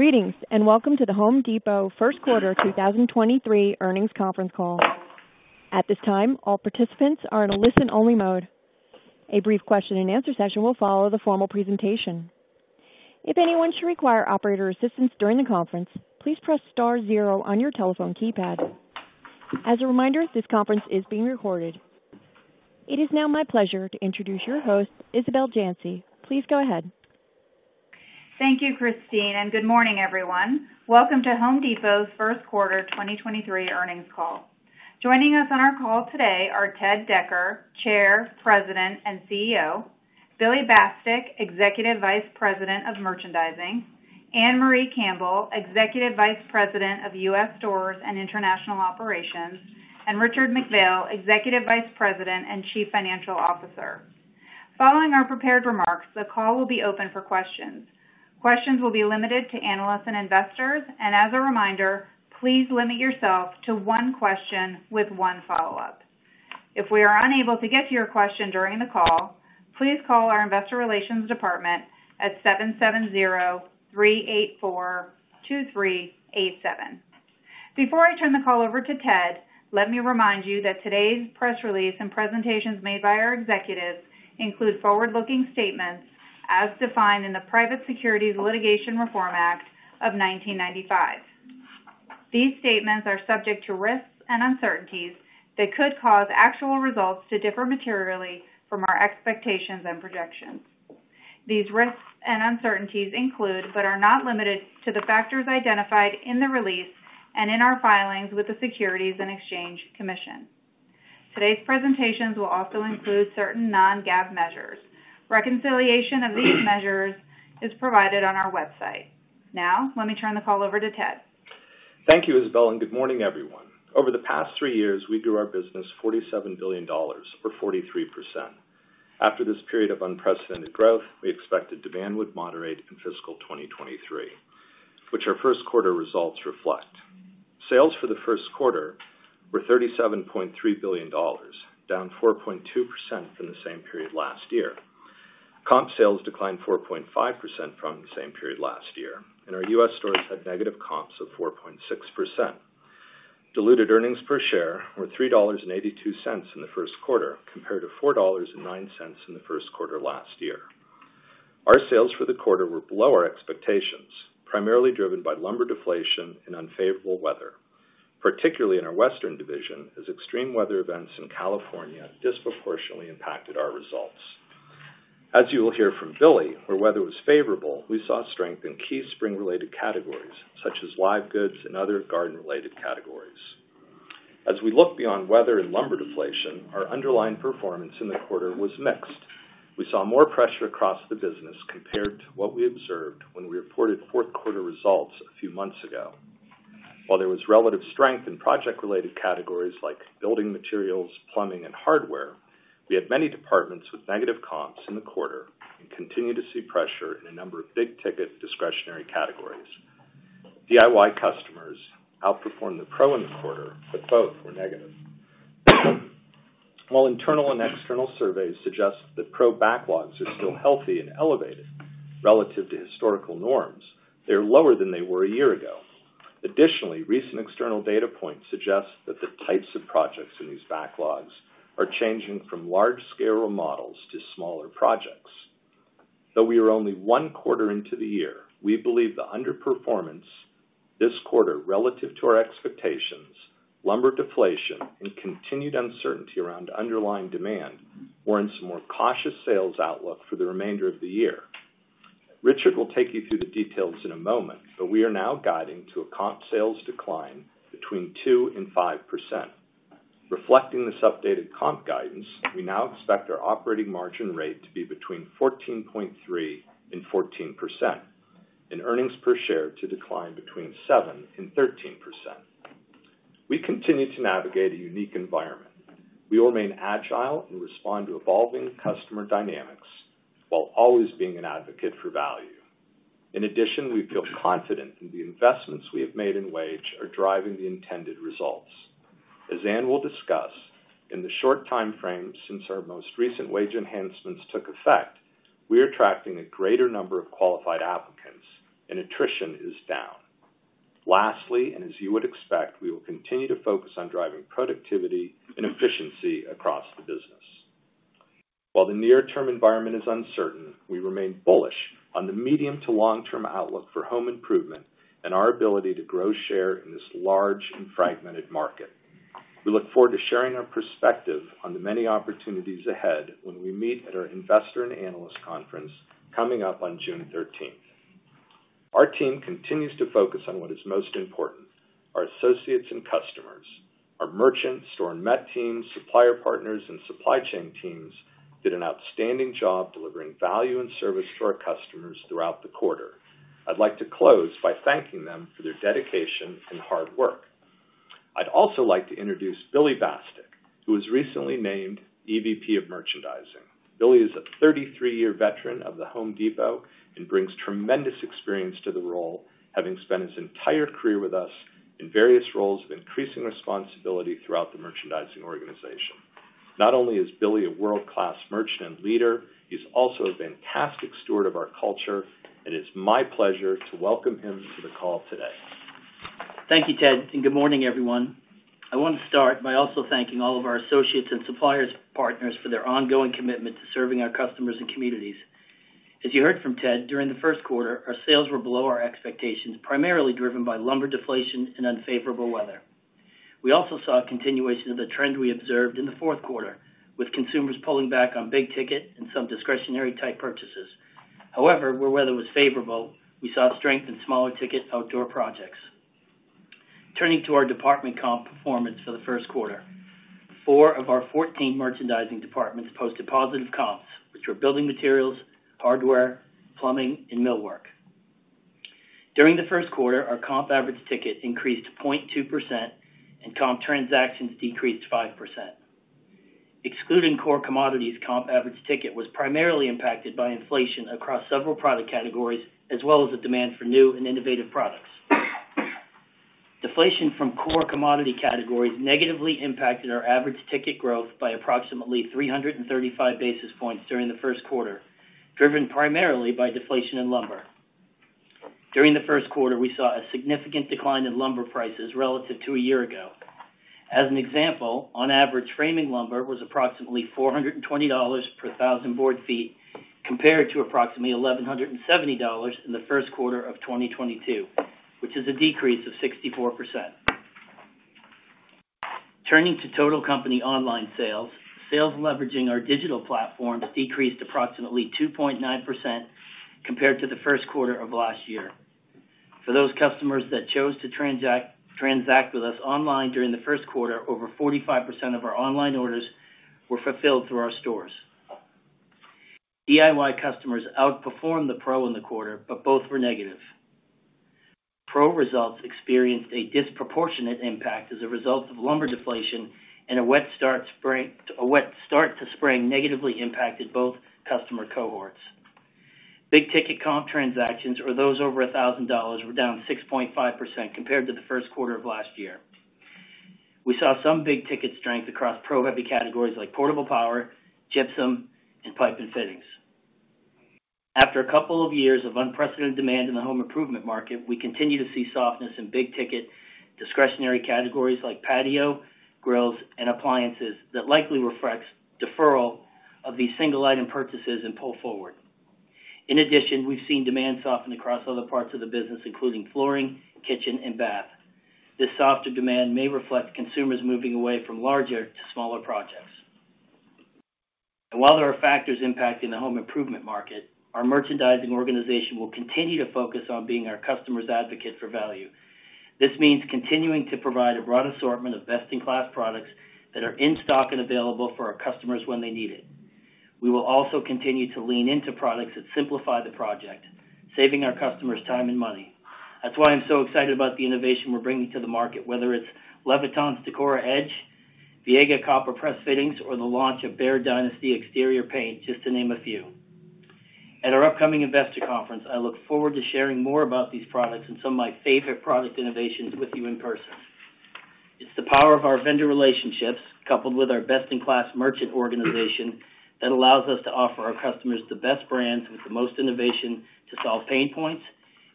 Greetings, and welcome to The Home Depot first quarter 2023 earnings conference call. At this time, all participants are in a listen only mode. A brief question and answer session will follow the formal presentation. If anyone should require operator assistance during the conference, please press star 0 on your telephone keypad. As a reminder, this conference is being recorded. It is now my pleasure to introduce your host, Isabel Janci. Please go ahead. Thank you, Christine, good morning, everyone. Welcome to The Home Depot's first quarter 2023 earnings call. Joining us on our call today are Ted Decker, Chair, President, and CEO, Billy Bastek, Executive Vice President of Merchandising, Ann-Marie Campbell, Executive Vice President of U.S. Stores and International Operations, and Richard McPhail, Executive Vice President and Chief Financial Officer. Following our prepared remarks, the call will be open for questions. Questions will be limited to analysts and investors. As a reminder, please limit yourself to one question with one follow-up. If we are unable to get to your question during the call, please call our investor relations department at 770-384-2387. Before I turn the call over to Ted, let me remind you that today's press release and presentations made by our executives include forward-looking statements as defined in the Private Securities Litigation Reform Act of 1995. These statements are subject to risks and uncertainties that could cause actual results to differ materially from our expectations and projections. These risks and uncertainties include, but are not limited to the factors identified in the release and in our filings with the Securities and Exchange Commission. Today's presentations will also include certain non-GAAP measures. Reconciliation of these measures is provided on our website. Let me turn the call over to Ted. Thank you, Isabel, good morning, everyone. Over the past three years, we grew our business $47 billion or 43%. After this period of unprecedented growth, we expected demand would moderate in fiscal 2023, which our first quarter results reflect. Sales for the first quarter were $37.3 billion, down 4.2% from the same period last year. Comp sales declined 4.5% from the same period last year, and our U.S. stores had negative comps of 4.6%. Diluted earnings per share were $3.82 in the first quarter, compared to $4.09 in the first quarter last year. Our sales for the quarter were below our expectations, primarily driven by lumber deflation and unfavorable weather, particularly in our Western division, as extreme weather events in California disproportionately impacted our results. As you will hear from Billy, where weather was favorable, we saw strength in key spring related categories such as live goods and other garden related categories. As we look beyond weather and lumber deflation, our underlying performance in the quarter was mixed. We saw more pressure across the business compared to what we observed when we reported fourth quarter results a few months ago. While there was relative strength in project related categories like building materials, plumbing, and hardware, we had many departments with negative comps in the quarter and continue to see pressure in a number of big ticket discretionary categories. DIY customers outperformed the pro in the quarter, but both were negative. While internal and external surveys suggest that pro backlogs are still healthy and elevated relative to historical norms, they are lower than they were a year ago. Additionally, recent external data points suggest that the types of projects in these backlogs are changing from large scale remodels to smaller projects. Though we are only one quarter into the year, we believe the underperformance this quarter relative to our expectations, lumber deflation, and continued uncertainty around underlying demand warrants more cautious sales outlook for the remainder of the year. Richard will take you through the details in a moment, but we are now guiding to a comp sales decline between 2% and 5%. Reflecting this updated comp guidance, we now expect our operating margin rate to be between 14.3% and 14%, and earnings per share to decline between 7% and 13%. We continue to navigate a unique environment. We will remain agile and respond to evolving customer dynamics while always being an advocate for value. In addition, we feel confident in the investments we have made in wage are driving the intended results. As Ann will discuss in the short time frame since our most recent wage enhancements took effect, we are attracting a greater number of qualified applicants and attrition is down. Lastly, as you would expect, we will continue to focus on driving productivity and efficiency across the business. While the near term environment is uncertain, we remain bullish on the medium to long term outlook for home improvement and our ability to grow share in this large and fragmented market. We look forward to sharing our perspective on the many opportunities ahead when we meet at our Investor and Analyst Conference coming up on June thirteenth. Our team continues to focus on what is most important, our associates and customers. Our merchants, store and met teams, supplier partners, and supply chain teams did an outstanding job delivering value and service to our customers throughout the quarter. I'd like to close by thanking them for their dedication and hard work. I'd also like to introduce Billy Bastek, who was recently named EVP of Merchandising. Billy is a 33-year veteran of The Home Depot and brings tremendous experience to the role, having spent his entire career with us in various roles of increasing responsibility throughout the merchandising organization. Not only is Billy a world-class merchant and leader, he's also a fantastic steward of our culture, and it's my pleasure to welcome him to the call today. Thank you, Ted. Good morning, everyone. I want to start by also thanking all of our associates and suppliers partners for their ongoing commitment to serving our customers and communities. As you heard from Ted, during the first quarter, our sales were below our expectations, primarily driven by lumber deflation and unfavorable weather. We also saw a continuation of the trend we observed in the fourth quarter, with consumers pulling back on big ticket and some discretionary type purchases. Where weather was favorable, we saw strength in smaller ticket outdoor projects. Turning to our department comp performance for the first quarter. Four of our 14 merchandising departments posted positive comps, which were building materials, hardware, plumbing, and millwork. During the first quarter, our comp average ticket increased 0.2%, and comp transactions decreased 5%. Excluding core commodities, comp average ticket was primarily impacted by inflation across several product categories, as well as the demand for new and innovative products. Deflation from core commodity categories negatively impacted our average ticket growth by approximately 335 basis points during the first quarter, driven primarily by deflation in lumber. During the first quarter, we saw a significant decline in lumber prices relative to a year ago. As an example, on average, framing lumber was approximately $420 per 1,000 board feet, compared to approximately $1,170 in the first quarter of 2022, which is a decrease of 64%. Turning to total company online sales. Sales leveraging our digital platforms decreased approximately 2.9% compared to the first quarter of last year. For those customers that chose to transact with us online during the first quarter, over 45% of our online orders were fulfilled through our stores. DIY customers outperformed the pro in the quarter, but both were negative. Pro results experienced a disproportionate impact as a result of lumber deflation and a wet start to spring negatively impacted both customer cohorts. Big ticket comp transactions, or those over $1,000, were down 6.5% compared to the first quarter of last year. We saw some big ticket strength across pro-heavy categories like portable power, gypsum, and pipe and fittings. After a couple of years of unprecedented demand in the home improvement market, we continue to see softness in big ticket discretionary categories like patio, grills, and appliances that likely reflects deferral of these single item purchases and pull forward. We've seen demand soften across other parts of the business, including flooring, kitchen and bath. This softer demand may reflect consumers moving away from larger to smaller projects. While there are factors impacting the home improvement market, our merchandising organization will continue to focus on being our customer's advocate for value. This means continuing to provide a broad assortment of best-in-class products that are in stock and available for our customers when they need it. We will also continue to lean into products that simplify the project, saving our customers time and money. That's why I'm so excited about the innovation we're bringing to the market, whether it's Leviton's Decora Edge, Viega copper press fittings, or the launch of Behr Dynasty exterior paint, just to name a few. At our upcoming investor conference, I look forward to sharing more about these products and some of my favorite product innovations with you in person. It's the power of our vendor relationships, coupled with our best-in-class merchant organization that allows us to offer our customers the best brands with the most innovation to solve pain points,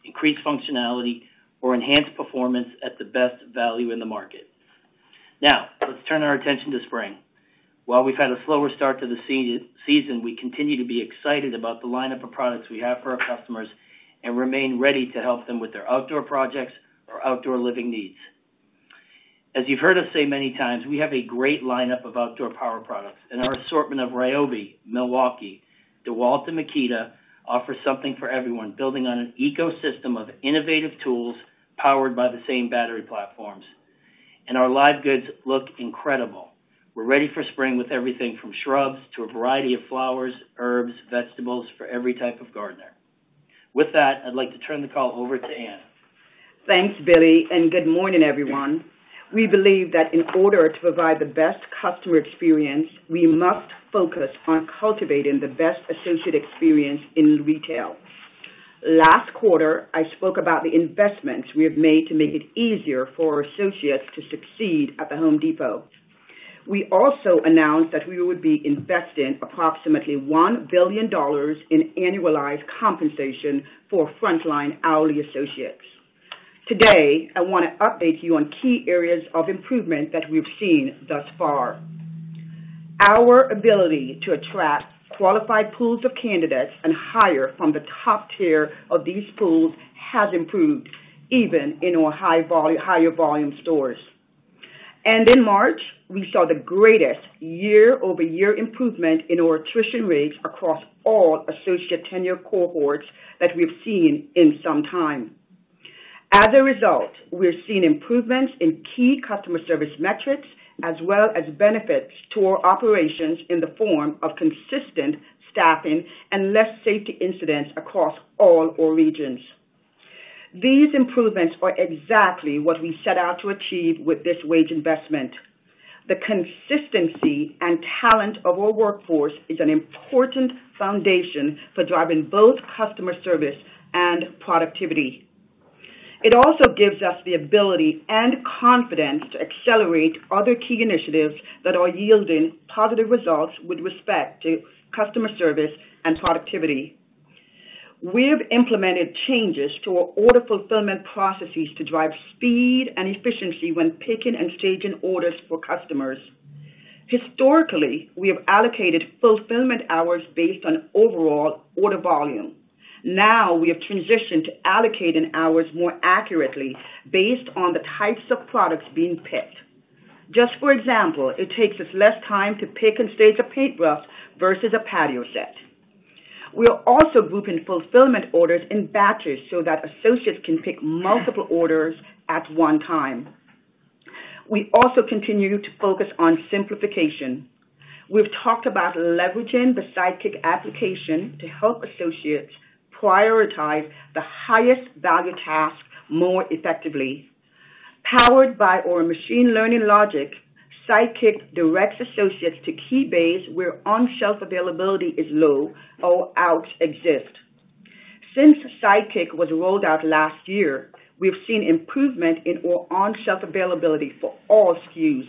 increase functionality, or enhance performance at the best value in the market. Let's turn our attention to spring. While we've had a slower start to the season, we continue to be excited about the lineup of products we have for our customers and remain ready to help them with their outdoor projects or outdoor living needs. As you've heard us say many times, we have a great lineup of outdoor power products. Our assortment of Ryobi, Milwaukee, DeWalt, and Makita offer something for everyone, building on an ecosystem of innovative tools powered by the same battery platforms. Our live goods look incredible. We're ready for spring with everything from shrubs to a variety of flowers, herbs, vegetables for every type of gardener. With that, I'd like to turn the call over to Ann. Thanks, Billy. Good morning, everyone. We believe that in order to provide the best customer experience, we must focus on cultivating the best associate experience in retail. Last quarter, I spoke about the investments we have made to make it easier for associates to succeed at The Home Depot. We also announced that we would be investing approximately $1 billion in annualized compensation for frontline hourly associates. Today, I wanna update you on key areas of improvement that we've seen thus far. Our ability to attract qualified pools of candidates and hire from the top tier of these pools has improved, even in our higher volume stores. In March, we saw the greatest year-over-year improvement in our attrition rates across all associate tenure cohorts that we've seen in some time. We're seeing improvements in key customer service metrics, as well as benefits to our operations in the form of consistent staffing and less safety incidents across all our regions. These improvements are exactly what we set out to achieve with this wage investment. The consistency and talent of our workforce is an important foundation for driving both customer service and productivity. It also gives us the ability and confidence to accelerate other key initiatives that are yielding positive results with respect to customer service and productivity. We have implemented changes to our order fulfillment processes to drive speed and efficiency when picking and staging orders for customers. Historically, we have allocated fulfillment hours based on overall order volume. We have transitioned to allocating hours more accurately based on the types of products being picked. For example, it takes us less time to pick and stage a paintbrush versus a patio set. We are also grouping fulfillment orders in batches so that associates can pick multiple orders at one time. We also continue to focus on simplification. We've talked about leveraging the Sidekick application to help associates prioritize the highest value tasks more effectively. Powered by our machine learning logic, Sidekick directs associates to key bays where on-shelf availability is low or outs exist. Since Sidekick was rolled out last year, we've seen improvement in our on-shelf availability for all SKUs,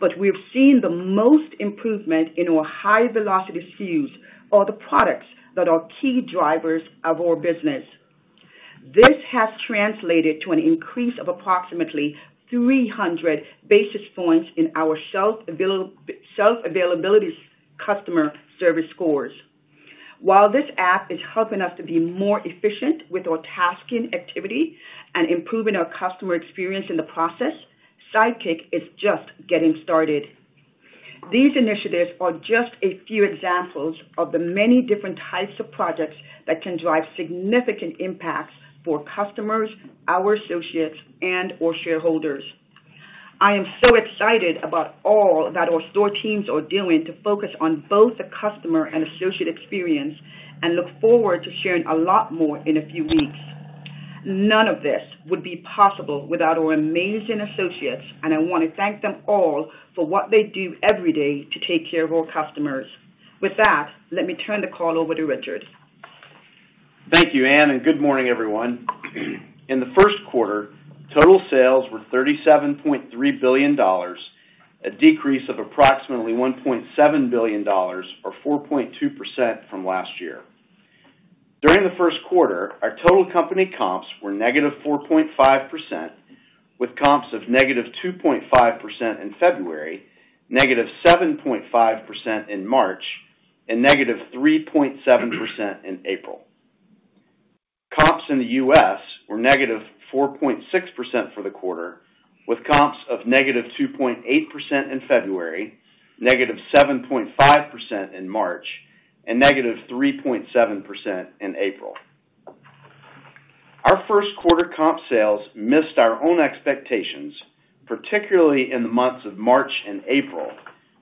but we've seen the most improvement in our high-velocity SKUs or the products that are key drivers of our business. This has translated to an increase of approximately 300 basis points in our shelf availability's customer service scores. While this app is helping us to be more efficient with our tasking activity and improving our customer experience in the process, Sidekick is just getting started. These initiatives are just a few examples of the many different types of projects that can drive significant impacts for customers, our associates, and our shareholders. I am so excited about all that our store teams are doing to focus on both the customer and associate experience, and look forward to sharing a lot more in a few weeks. None of this would be possible without our amazing associates, and I wanna thank them all for what they do every day to take care of our customers. With that, let me turn the call over to Richard. Thank you, Ann, and good morning, everyone. In the first quarter, total sales were $37.3 billion, a decrease of approximately $1.7 billion or 4.2% from last year. During the first quarter, our total company comps were -4.5%, with comps of negative 2.5% in February -7.5% in March, and -3.7% in April. Comps in the U.S. were -4.6% for the quarter, with comps of -2.8% in February, -7.5% in March, and -3.7% in April. Our first quarter comp sales missed our own expectations, particularly in the months of March and April,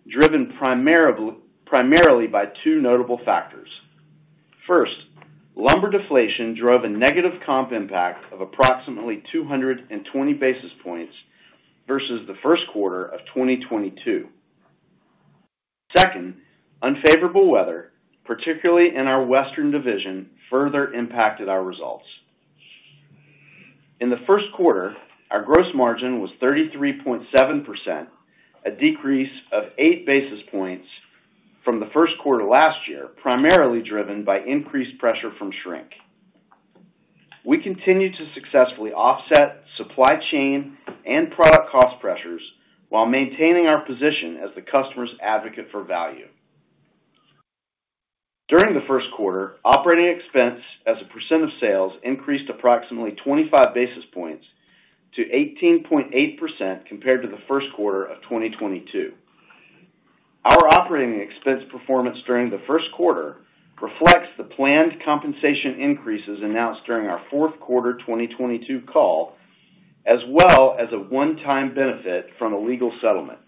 driven primarily by two notable factors. Lumber deflation drove a negative comp impact of approximately 220 basis points versus the first quarter of 2022. Unfavorable weather, particularly in our Western division, further impacted our results. In the first quarter, our gross margin was 33.7%, a decrease of 8 basis points from the first quarter last year, primarily driven by increased pressure from shrink. We continue to successfully offset supply chain and product cost pressures while maintaining our position as the customer's advocate for value. During the first quarter, operating expense as a percent of sales increased approximately 25 basis points to 18.8% compared to the first quarter of 2022. Our operating expense performance during the first quarter reflects the planned compensation increases announced during our fourth quarter 2022 call, as well as a one-time benefit from a legal settlement.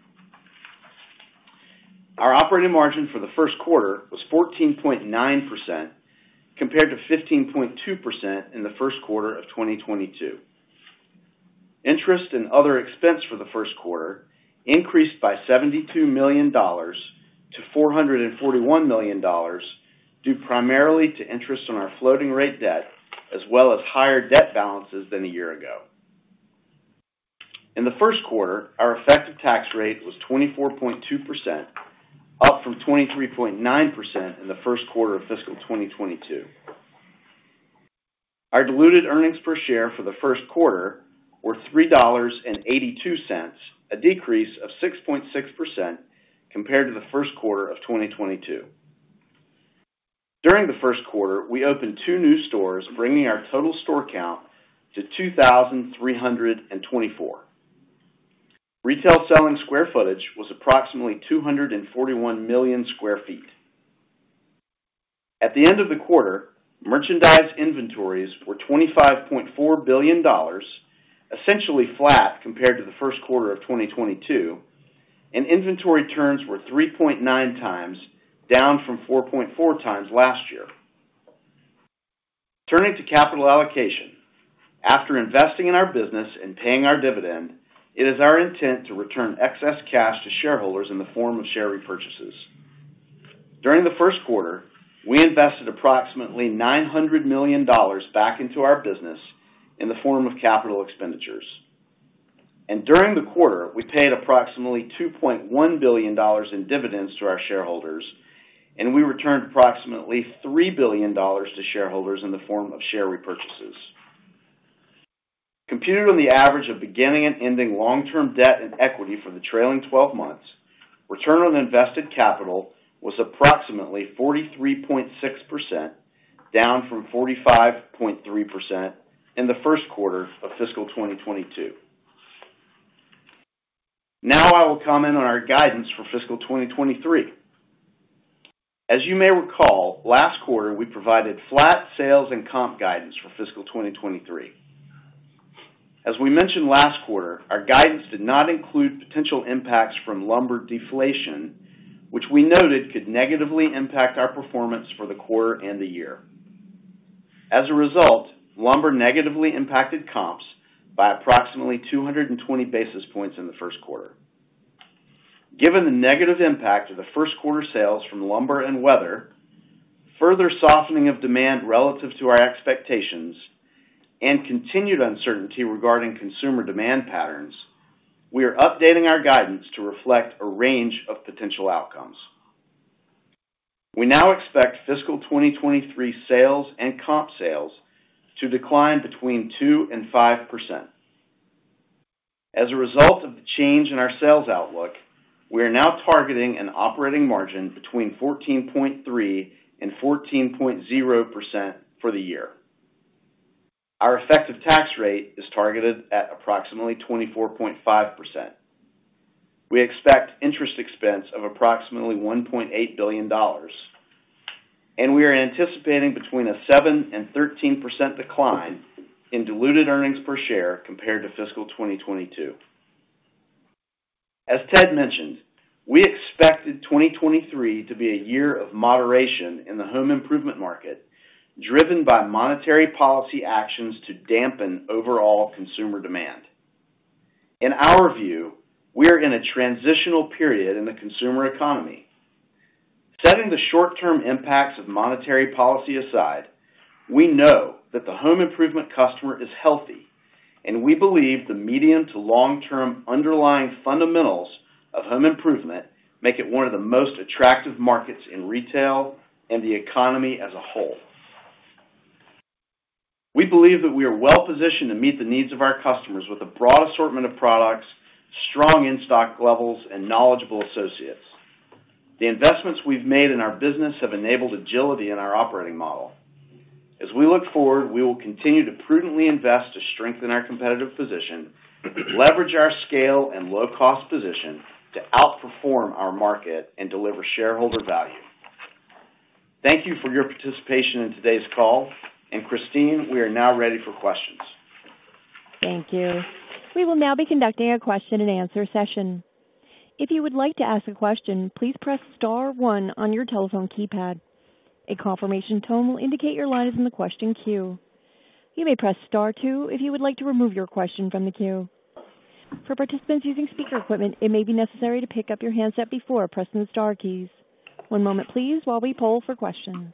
Our operating margin for the first quarter was 14.9% compared to 15.2% in the first quarter of 2022. Interest and other expense for the first quarter increased by $72 million to $441 million, due primarily to interest on our floating rate debt as well as higher debt balances than a year ago. In the first quarter, our effective tax rate was 24.2%, up from 23.9% in the first quarter of fiscal 2022. Our diluted earnings per share for the first quarter were $3.82, a decrease of 6.6% compared to the first quarter of 2022. During the first quarter, we opened 2 new stores, bringing our total store count to 2,324. Retail selling square footage was approximately 241 million sq ft. At the end of the quarter, merchandise inventories were $25.4 billion, essentially flat compared to the first quarter of 2022, and inventory turns were 3.9x, down from 4.4x last year. Turning to capital allocation. After investing in our business and paying our dividend, it is our intent to return excess cash to shareholders in the form of share repurchases. During the first quarter, we invested approximately $900 million back into our business in the form of capital expenditures. During the quarter, we paid approximately $2.1 billion in dividends to our shareholders, and we returned approximately $3 billion to shareholders in the form of share repurchases. Computed on the average of beginning and ending long-term debt and equity for the trailing 12 months, return on invested capital was approximately 43.6%, down from 45.3% in the first quarter of fiscal 2022. I will comment on our guidance for fiscal 2023. As you may recall, last quarter, we provided flat sales and comp guidance for fiscal 2023. As we mentioned last quarter, our guidance did not include potential impacts from lumber deflation, which we noted could negatively impact our performance for the quarter and the year. As a result, lumber negatively impacted comps by approximately 220 basis points in the first quarter. Given the negative impact of the first quarter sales from lumber and weather, further softening of demand relative to our expectations, and continued uncertainty regarding consumer demand patterns, we are updating our guidance to reflect a range of potential outcomes. We now expect fiscal 2023 sales and comp sales to decline between 2% and 5%. As a result of the change in our sales outlook, we are now targeting an operating margin between 14.3% and 14.0% for the year. Our effective tax rate is targeted at approximately 24.5%. We expect interest expense of approximately $1.8 billion, and we are anticipating between a 7% and 13% decline in diluted earnings per share compared to fiscal 2022. As Ted mentioned, we expected 2023 to be a year of moderation in the home improvement market, driven by monetary policy actions to dampen overall consumer demand. In our view, we are in a transitional period in the consumer economy. Setting the short-term impacts of monetary policy aside, we know that the home improvement customer is healthy, and we believe the medium to long-term underlying fundamentals of home improvement make it one of the most attractive markets in retail and the economy as a whole. We believe that we are well-positioned to meet the needs of our customers with a broad assortment of products, strong in-stock levels, and knowledgeable associates. The investments we've made in our business have enabled agility in our operating model. As we look forward, we will continue to prudently invest to strengthen our competitive position, leverage our scale and low-cost position to outperform our market and deliver shareholder value. Thank you for your participation in today's call, and Christine, we are now ready for questions. Thank you. We will now be conducting a question-and-answer session. If you would like to ask a question, please press star one on your telephone keypad. A confirmation tone will indicate your line is in the question queue. You may press star two if you would like to remove your question from the queue. For participants using speaker equipment, it may be necessary to pick up your handset before pressing the star keys. One moment please while we poll for questions.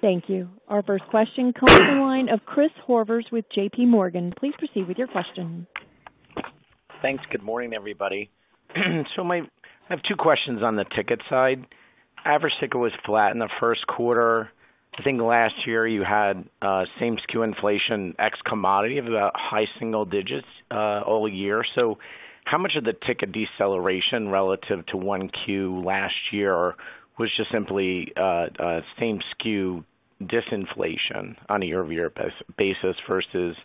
Thank you. Our first question comes from the line of Christopher Horvers with JPMorgan. Please proceed with your question. Thanks. Good morning, everybody. I have two questions on the ticket side. Average ticket was flat in the first quarter. I think last year you had same SKU inflation ex-commodity of about high single digits all year. How much of the ticket deceleration relative to 1Q last year was just simply same SKU disinflation on a year-over-year basis versus,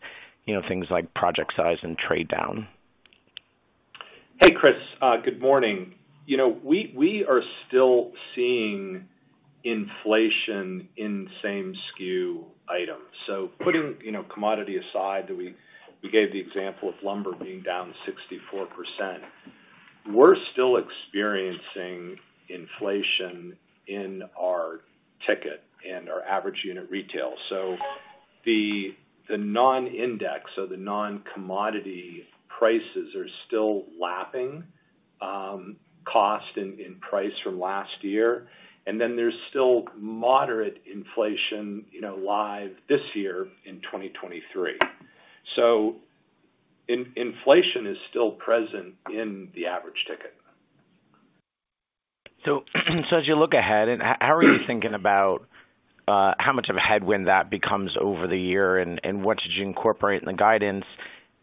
you know, things like project size and trade-down? Chris, good morning. You know, we are still seeing inflation in same SKU items. Putting, you know, commodity aside that we gave the example of lumber being down 64%, we're still experiencing inflation in our ticket and our average unit retail. The non-index or the non-commodity prices are still lapping cost in price from last year. There's still moderate inflation, you know, live this year in 2023. Inflation is still present in the average ticket. As you look ahead, how are you thinking about how much of a headwind that becomes over the year and what did you incorporate in the guidance?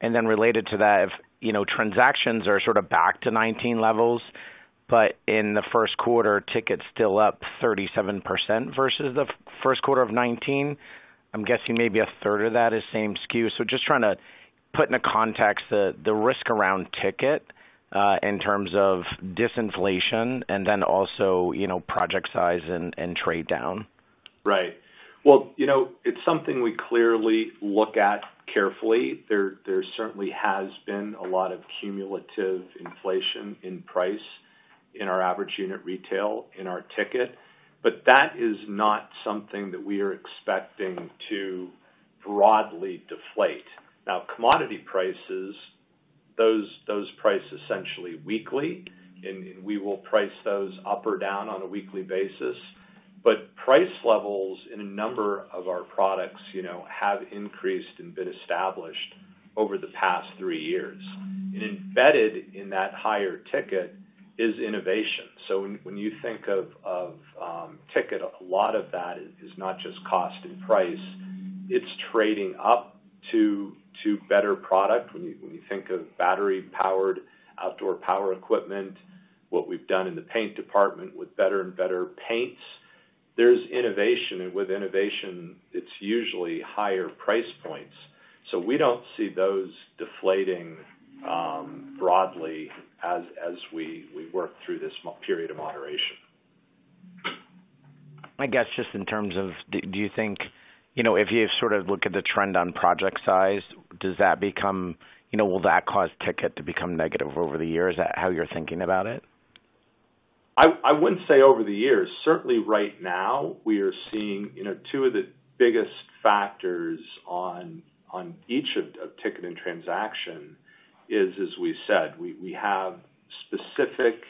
Related to that, if, you know, transactions are sort of back to 2019 levels, but in the first quarter, tickets still up 37% versus the first quarter of 2019, I'm guessing maybe a third of that is same SKU. Just trying to put into context the risk around ticket in terms of disinflation and then also, you know, project size and trade-down. Right. Well, you know, it's something we clearly look at carefully. There certainly has been a lot of cumulative inflation in price in our average unit retail in our ticket, but that is not something that we are expecting to broadly deflate. Now commodity prices, those price essentially weekly, and we will price those up or down on a weekly basis. Price levels in a number of our products, you know, have increased and been established over the past three years. Embedded in that higher ticket is innovation. When you think of ticket, a lot of that is not just cost and price, it's trading up to better product. When you think of battery-powered outdoor power equipment, what we've done in the paint department with better and better paints, there's innovation. With innovation, it's usually higher price points. We don't see those deflating, broadly as we work through this period of moderation. I guess, just in terms of do you think, you know, if you sort of look at the trend on project size, You know, will that cause ticket to become negative over the years? Is that how you're thinking about it? I wouldn't say over the years. Certainly right now, we are seeing, you know, two of the biggest factors on each of ticket and transaction is, as we said, we have specific,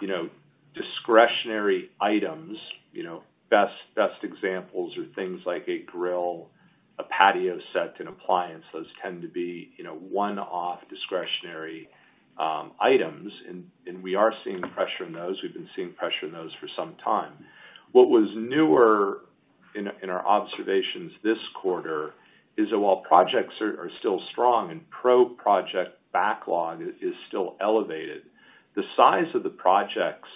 you know, discretionary items, you know. Best examples are things like a grill, a patio set, and appliances tend to be, you know, one-off discretionary items. We are seeing pressure in those, we've been seeing pressure in those for some time. What was newer in our observations this quarter is that while projects are still strong and pro project backlog is still elevated, the size of the projects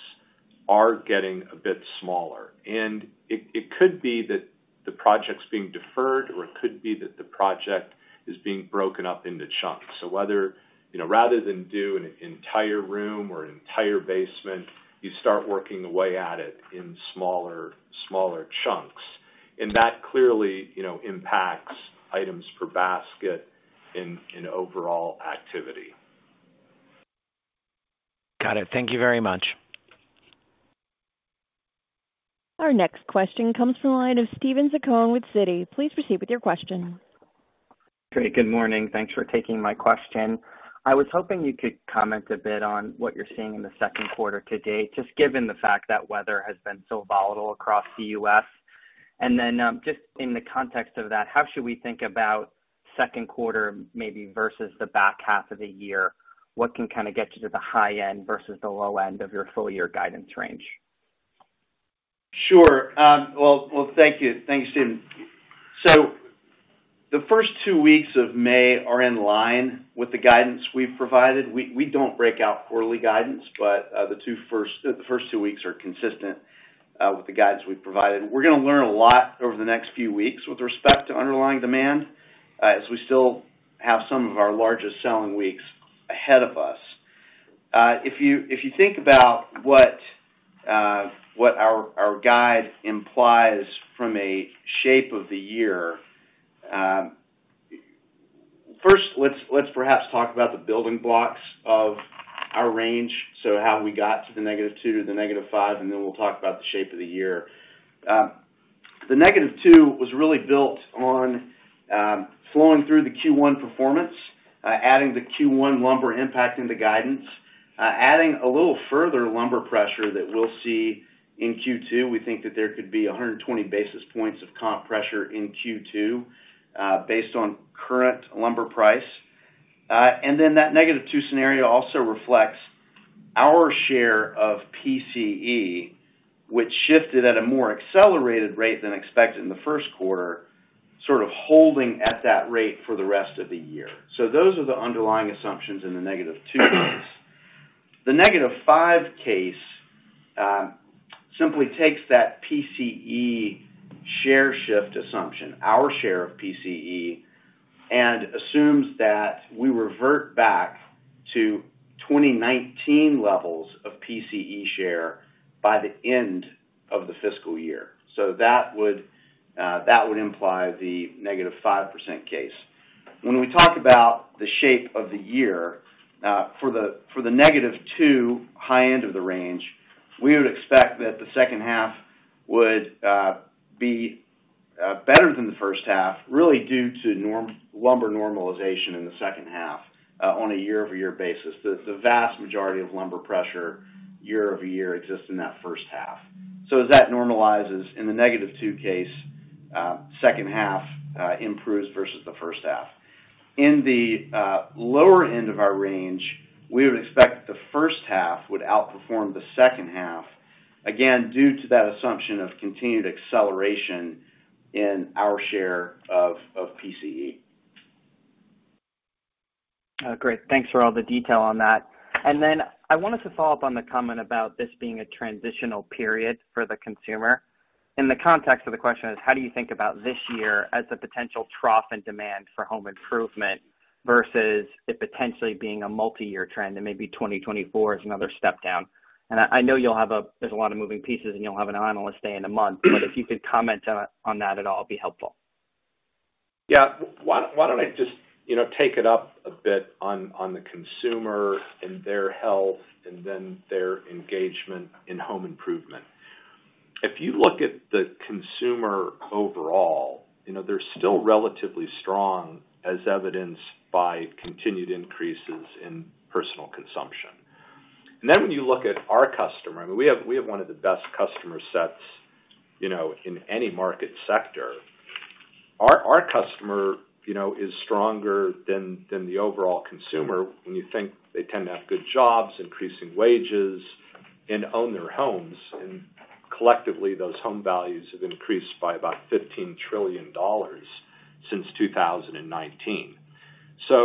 are getting a bit smaller. It could be that the project's being deferred, or it could be that the project is being broken up into chunks. Whether, you know, rather than do an entire room or an entire basement, you start working away at it in smaller chunks. That clearly, you know, impacts items per basket in overall activity. Got it. Thank you very much. Our next question comes from the line of Steven Zaccone with Citi. Please proceed with your question. Great. Good morning. Thanks for taking my question. I was hoping you could comment a bit on what you're seeing in the second quarter to date, just given the fact that weather has been so volatile across the US. Then, just in the context of that, how should we think about second quarter maybe versus the back half of the year? What can kind of get you to the high end versus the low end of your full year guidance range? Sure. Well, thank you. Thanks, Steven. The first two weeks of May are in line with the guidance we've provided. We don't break out quarterly guidance, but the first two weeks are consistent with the guidance we've provided. We're gonna learn a lot over the next few weeks with respect to underlying demand as we still have some of our largest selling weeks ahead of us. If you think about what our guide implies from a shape of the year, first, let's perhaps talk about the building blocks of our range, so how we got to the -2%--5%, and then we'll talk about the shape of the year. The -2% was really built on flowing through the Q1 performance, adding the Q1 lumber impact into guidance, adding a little further lumber pressure that we'll see in Q2. We think that there could be 120 basis points of comp pressure in Q2, based on current lumber price. That -2% scenario also reflects our share of PCE, which shifted at a more accelerated rate than expected in the first quarter, sort of holding at that rate for the rest of the year. Those are the underlying assumptions in the -2% case. The -5% case simply takes that PCE share shift assumption, our share of PCE, and assumes that we revert back to 2019 levels of PCE share by the end of the fiscal year. That would imply the -5% case. When we talk about the shape of the year, for the -2% high end of the range, we would expect that the second half would be better than the first half, really due to lumber normalization in the second half on a year-over-year basis. The vast majority of lumber pressure year-over-year exists in that first half. As that normalizes in the -2% case, second half improves versus the first half. In the lower end of our range, we would expect the first half would outperform the second half, again, due to that assumption of continued acceleration in our share of PCE. Oh, great. Thanks for all the detail on that. Then I wanted to follow up on the comment about this being a transitional period for the consumer. In the context of the question is, how do you think about this year as a potential trough and demand for home improvement versus it potentially being a multi-year trend, and maybe 2024 is another step down? I know you'll have a lot of moving pieces, and you'll have an analyst day in a month. If you could comment on that at all, it'd be helpful. Yeah. Why don't I just, you know, take it. A bit on the consumer and their health and then their engagement in home improvement. If you look at the consumer overall, you know, they're still relatively strong as evidenced by continued increases in personal consumption. When you look at our customer, I mean, we have one of the best customer sets, you know, in any market sector. Our customer, you know, is stronger than the overall consumer when you think they tend to have good jobs, increasing wages, and own their homes. Collectively, those home values have increased by about $15 trillion since 2019. As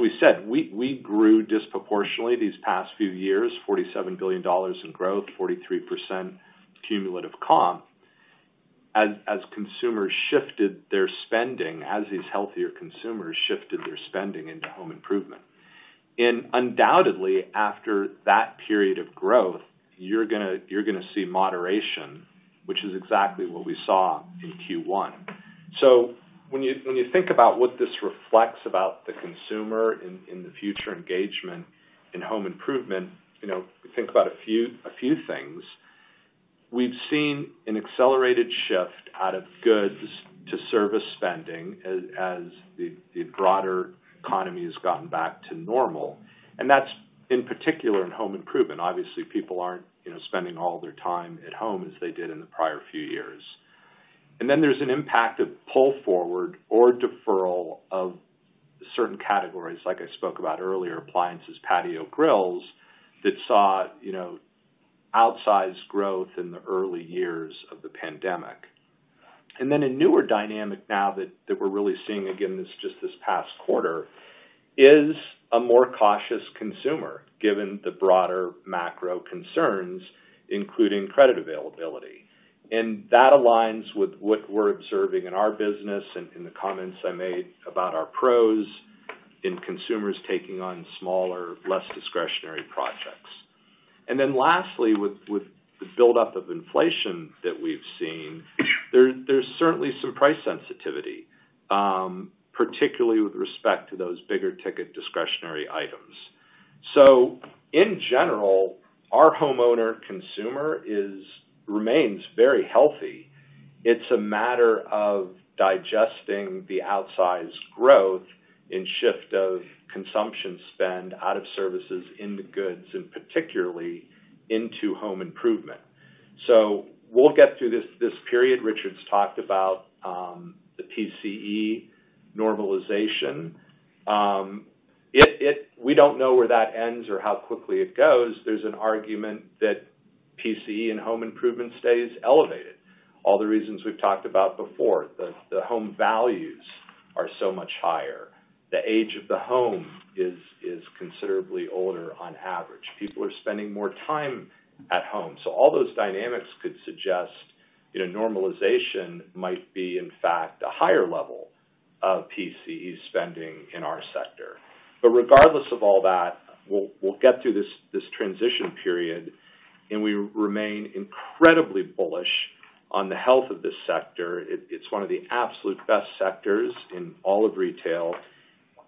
we said, we grew disproportionately these past few years, $47 billion in growth, 43% cumulative comp, as consumers shifted their spending, as these healthier consumers shifted their spending into home improvement. Undoubtedly, after that period of growth, you're gonna see moderation, which is exactly what we saw in Q1. When you think about what this reflects about the consumer in the future engagement in home improvement, you know, think about a few things. We've seen an accelerated shift out of goods to service spending as the broader economy has gotten back to normal. That's in particular in home improvement. Obviously, people aren't, you know, spending all their time at home as they did in the prior few years. Then there's an impact of pull forward or deferral of certain categories, like I spoke about earlier, appliances, patio grills, that saw, you know, outsized growth in the early years of the pandemic. A newer dynamic now that we're really seeing again this, just this past quarter is a more cautious consumer, given the broader macro concerns, including credit availability. That aligns with what we're observing in our business and in the comments I made about our pros in consumers taking on smaller, less discretionary projects. Lastly, with the buildup of inflation that we've seen, there's certainly some price sensitivity, particularly with respect to those bigger ticket discretionary items. In general, our homeowner consumer remains very healthy. It's a matter of digesting the outsized growth and shift of consumption spend out of services into goods and particularly into home improvement. We'll get through this period. Richard talked about the PCE normalization. We don't know where that ends or how quickly it goes. There's an argument that PCE and home improvement stays elevated. All the reasons we've talked about before. The home values are so much higher. The age of the home is considerably older on average. People are spending more time at home. All those dynamics could suggest, you know, normalization might be, in fact, a higher level of PCE spending in our sector. Regardless of all that, we'll get through this transition period, and we remain incredibly bullish on the health of this sector. It's one of the absolute best sectors in all of retail.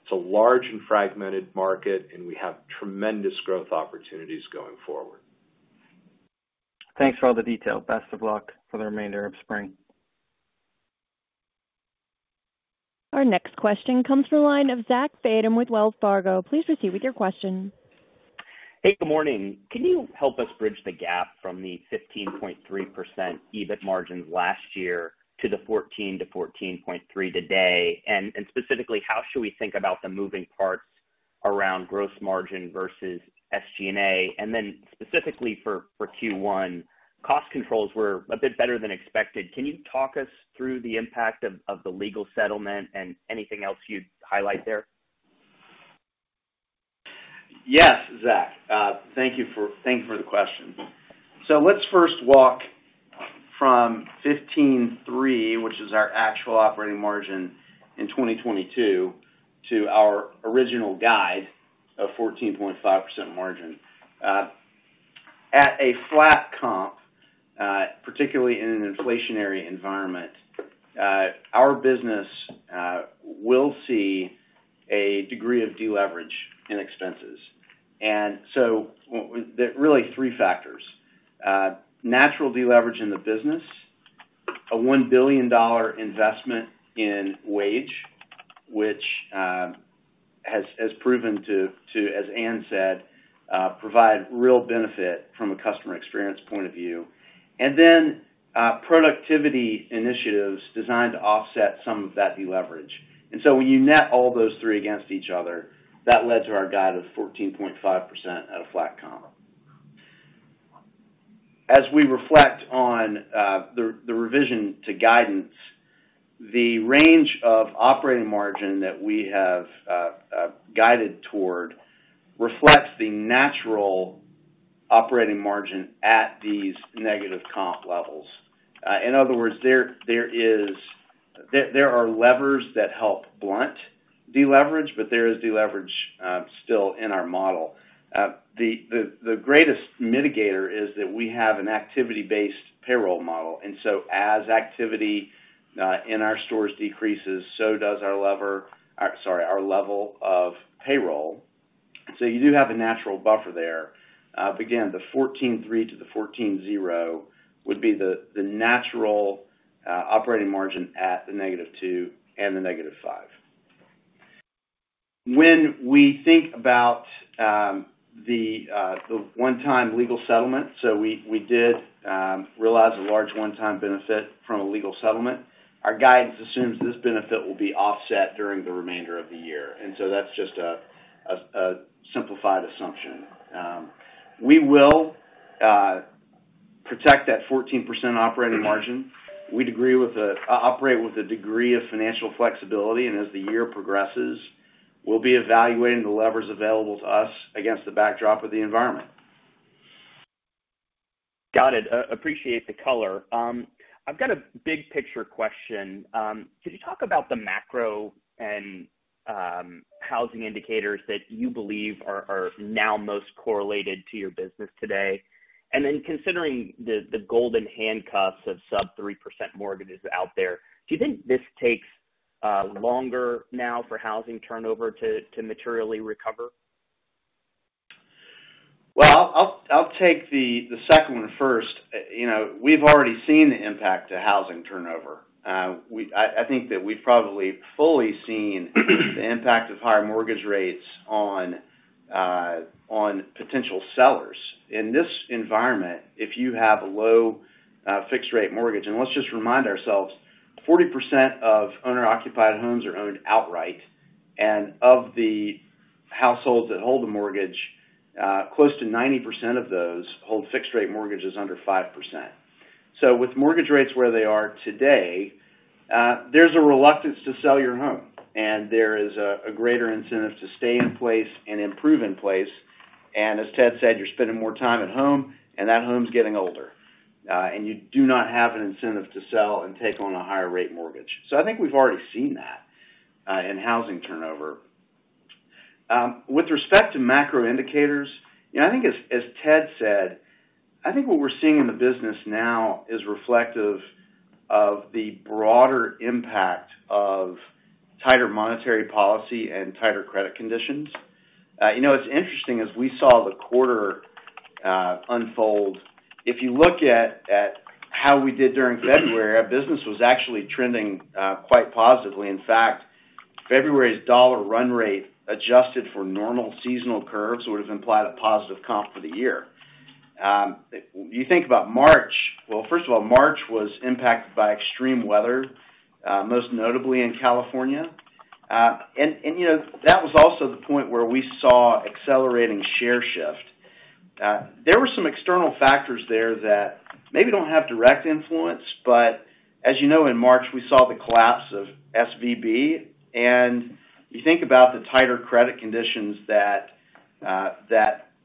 It's a large and fragmented market, and we have tremendous growth opportunities going forward. Thanks for all the detail. Best of luck for the remainder of spring. Our next question comes from the line of Zachary Fadem with Wells Fargo. Please proceed with your question. Hey, good morning. Can you help us bridge the gap from the 15.3% EBIT margins last year to the 14%-14.3% today? Specifically, how should we think about the moving parts around gross margin versus SG&A? Specifically for Q1, cost controls were a bit better than expected. Can you talk us through the impact of the legal settlement and anything else you'd highlight there? Yes, Zach. Thank you for the question. Let's first walk from 15.3%, which is our actual operating margin in 2022, to our original guide of 14.5% margin. At a flat comp, particularly in an inflationary environment, our business will see a degree of deleverage in expenses. With the really three factors, natural deleverage in the business, a $1 billion investment in wage, which has proven to, as Ann said, provide real benefit from a customer experience point of view, and then productivity initiatives designed to offset some of that deleverage. When you net all those three against each other, that led to our guide of 14.5% at a flat comp. As we reflect on the revision to guidance, the range of operating margin that we have guided toward reflects the natural operating margin at these negative comp levels. In other words, there are levers that help blunt deleverage, but there is deleverage. Still in our model. The greatest mitigator is that we have an activity-based payroll model. As activity in our stores decreases, so does our level of payroll. You do have a natural buffer there. But again, the 14.3% to the 14.0% would be the natural operating margin at the -2% and the -5%. When we think about the one-time legal settlement, we did realize a large one-time benefit from a legal settlement. Our guidance assumes this benefit will be offset during the remainder of the year, that's just a simplified assumption. We will protect that 14% operating margin. We'd agree with operate with a degree of financial flexibility, and as the year progresses, we'll be evaluating the levers available to us against the backdrop of the environment. Got it. Appreciate the color. I've got a big picture question. Could you talk about the macro and housing indicators that you believe are now most correlated to your business today? Considering the golden handcuffs of sub 3% mortgages out there, do you think this takes longer now for housing turnover to materially recover? Well, I'll take the second one first. You know, we've already seen the impact to housing turnover. I think that we've probably fully seen the impact of higher mortgage rates on potential sellers. In this environment, if you have a low, fixed rate mortgage, and let's just remind ourselves, 40% of owner-occupied homes are owned outright. Of the households that hold the mortgage, close to 90% of those hold fixed rate mortgages under 5%. With mortgage rates where they are today, there's a reluctance to sell your home, and there is a greater incentive to stay in place and improve in place. As Ted said, you're spending more time at home, and that home's getting older. You do not have an incentive to sell and take on a higher rate mortgage. I think we've already seen that in housing turnover. With respect to macro indicators, you know, I think as Ted said, I think what we're seeing in the business now is reflective of the broader impact of tighter monetary policy and tighter credit conditions. You know, what's interesting is we saw the quarter unfold. If you look at how we did during February, our business was actually trending quite positively. In fact, February's dollar run rate adjusted for normal seasonal curves would have implied a positive comp for the year. If you think about March... First of all, March was impacted by extreme weather, most notably in California. You know, that was also the point where we saw accelerating share shift. There were some external factors there that maybe don't have direct influence, but as you know, in March, we saw the collapse of SVB. You think about the tighter credit conditions that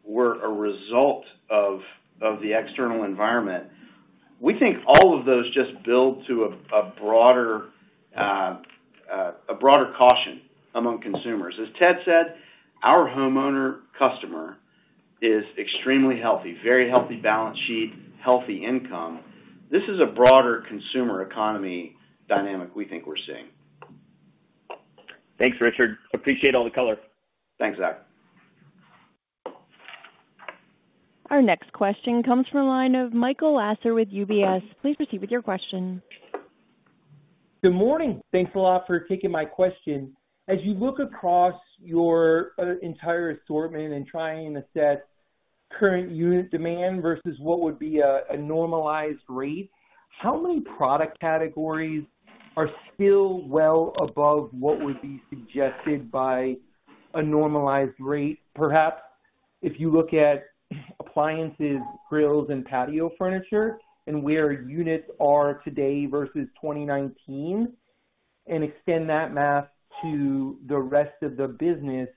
were a result of the external environment. We think all of those just build to a broader caution among consumers. As Ted said, our homeowner customer is extremely healthy, very healthy balance sheet, healthy income. This is a broader consumer economy dynamic we think we're seeing. Thanks, Richard. Appreciate all the color. Thanks, Zach. Our next question comes from the line of Michael Lasser with UBS. Please proceed with your question. Good morning. Thanks a lot for taking my question. As you look across your entire assortment and trying to set current unit demand versus what would be a normalized rate, how many product categories are still well above what would be suggested by a normalized rate? Perhaps if you look at appliances, grills, and patio furniture and where units are today versus 2019 and extend that math to the rest of the business,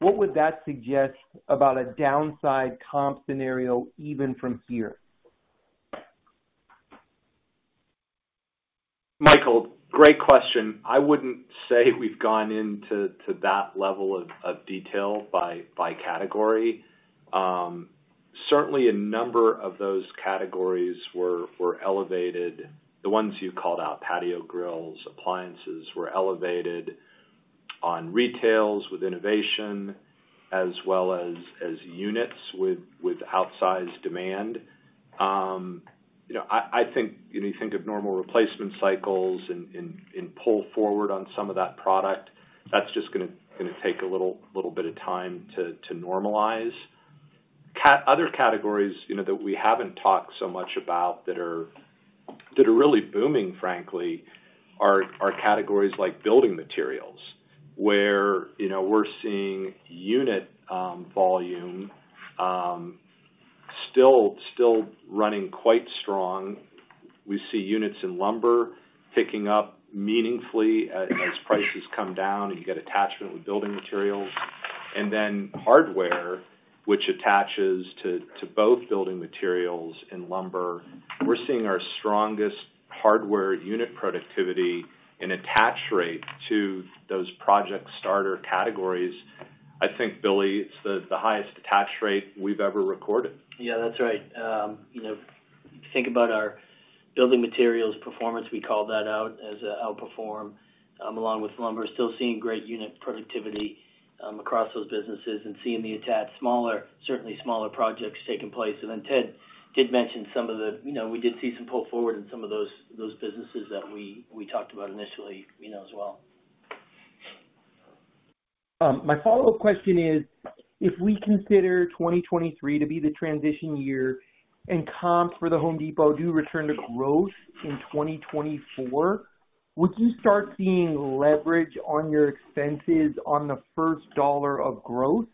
what would that suggest about a downside comp scenario even from here? Michael, great question. I wouldn't say we've gone into to that level of detail by category. Certainly a number of those categories were elevated. The ones you called out, patio grills, appliances, were elevated on retails with innovation as well as units with outsized demand. You know, I think when you think of normal replacement cycles and pull forward on some of that product, that's just gonna take a little bit of time to normalize. Other categories, you know, that we haven't talked so much about that are really booming, frankly, are categories like building materials, where, you know, we're seeing unit volume still running quite strong. We see units in lumber picking up meaningfully as prices come down, and you get attachment with building materials. Hardware. Which attaches to both building materials and lumber. We're seeing our strongest hardware unit productivity and attach rate to those project starter categories. I think, Billy, it's the highest attach rate we've ever recorded. Yeah, that's right. you know, think about our building materials performance, we called that out as a outperform, along with lumber. Still seeing great unit productivity, across those businesses and seeing the attached smaller, certainly smaller projects taking place. Then Ted did mention some of the, you know, we did see some pull forward in some of those businesses that we talked about initially, you know, as well. My follow-up question is, if we consider 2023 to be the transition year and comps for The Home Depot do return to growth in 2024, would you start seeing leverage on your expenses on the first $1 of growth?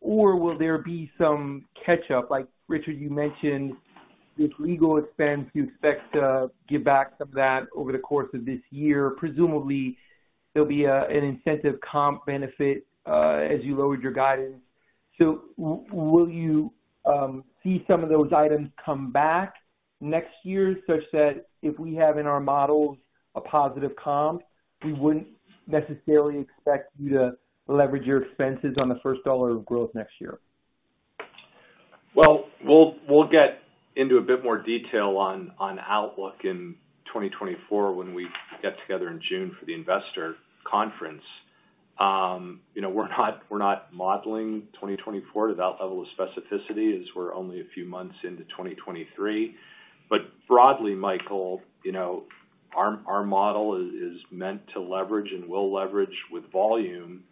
Will there be some catch-up, like, Richard, you mentioned with legal expense, you expect to give back some of that over the course of this year. Presumably, there'll be an incentive comp benefit as you lowered your guidance. Will you see some of those items come back next year, such that if we have in our models a positive comp, we wouldn't necessarily expect you to leverage your expenses on the first $1 of growth next year? Well, we'll get into a bit more detail on outlook in 2024 when we get together in June for the investor conference. You know, we're not modeling 2024 to that level of specificity, as we're only a few months into 2023. Broadly, Michael, you know, our model is meant to leverage and will leverage with volume.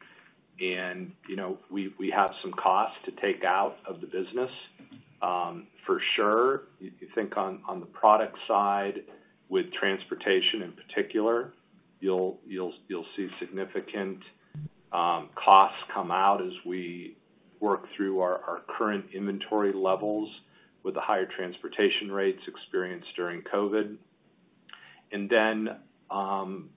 You know, we have some costs to take out of the business, for sure. You think on the product side with transportation in particular, you'll see significant costs come out as we work through our current inventory levels with the higher transportation rates experienced during COVID. Then, on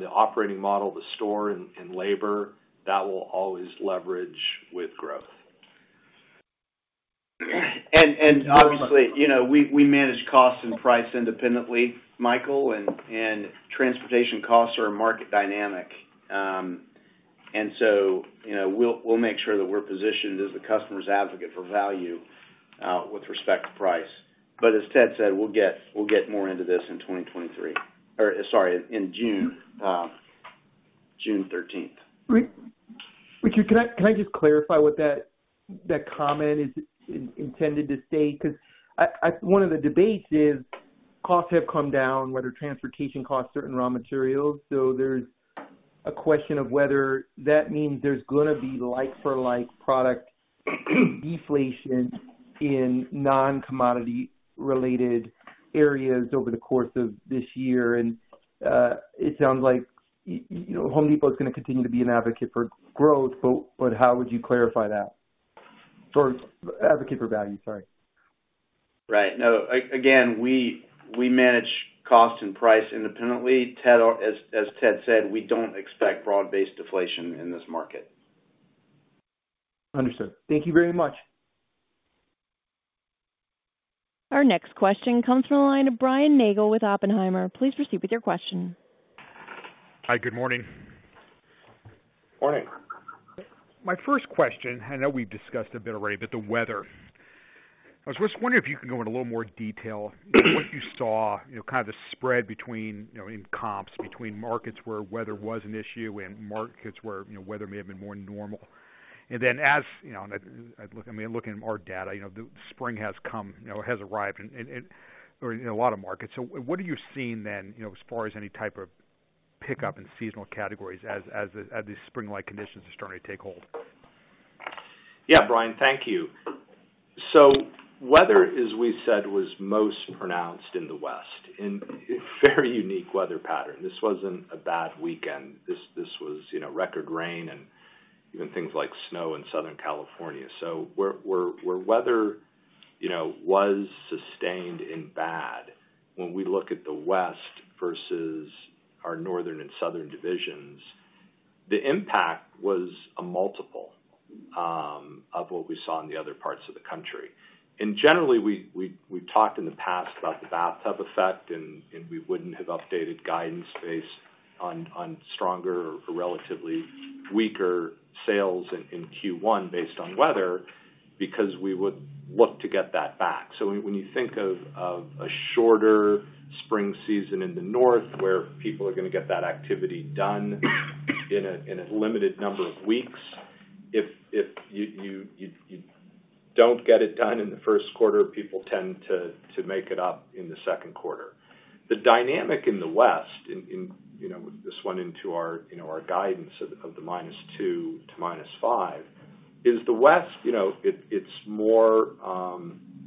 the operating model of the store and labor, that will always leverage with growth. Obviously, you know, we manage cost and price independently, Michael, and transportation costs are a market dynamic. So, you know, we'll make sure that we're positioned as a customer's advocate for value, with respect to price. As Ted said, we'll get more into this in 2023. Or sorry, in June 13th. Richard, can I just clarify what that comment is intended to say? Because I, one of the debates is costs have come down, whether transportation costs or in raw materials. There's a question of whether that means there's gonna be like-for-like product deflation in non-commodity related areas over the course of this year. It sounds like, you know, The Home Depot is gonna continue to be an advocate for growth, but how would you clarify that? For advocate for value, sorry. Right. No, again, we manage cost and price independently. Ted, as Ted said, we don't expect broad-based deflation in this market. Understood. Thank you very much. Our next question comes from the line of Brian Nagel with Oppenheimer. Please proceed with your question. Hi, good morning. Morning. My first question, I know we've discussed a bit already, but the weather? I was just wondering if you could go into a little more detail, what you saw, you know, kind of the spread between, you know, in comps between markets where weather was an issue and markets where, you know, weather may have been more normal? As, you know, I mean, looking at more data, you know, the spring has come, you know, it has arrived in a lot of markets. What are you seeing then, you know, as far as any type of pickup in seasonal categories as these spring-like conditions are starting to take hold? Brian, thank you. Weather, as we said, was most pronounced in the West, in very unique weather pattern. This wasn't a bad weekend. This was, you know, record rain and even things like snow in Southern California. Where weather, you know, was sustained and bad, when we look at the West versus our northern and southern divisions, the impact was a multiple of what we saw in the other parts of the country. Generally, we've talked in the past about the bathtub effect, and we wouldn't have updated guidance based on stronger or relatively weaker sales in Q1 based on weather because we would look to get that back. When you think of a shorter spring season in the north, where people are gonna get that activity done in a limited number of weeks, if you don't get it done in the first quarter, people tend to make it up in the second quarter. The dynamic in the west, and, you know, this went into our, you know, our guidance of the -2% to -5%, is the west, you know, it's more